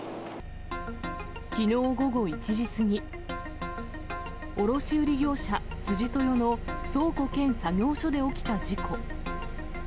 きのう午後１時過ぎ、卸売り業者、辻豊の倉庫兼作業所で起きた事故。